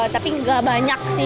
tapi nggak banyak sih